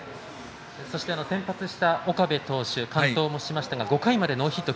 そして、先発した岡部投手完投もしましたが５回までノーヒット。